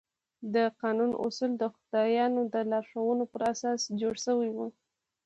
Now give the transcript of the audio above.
د قانون اصول د خدایانو د لارښوونو پر اساس جوړ شوي وو.